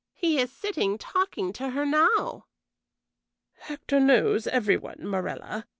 He is sitting talking to her now." "Hector knows every one, Morella.